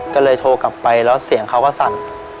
ก็เลยโทรกลับไปแล้วเสียงเขาก็สั่น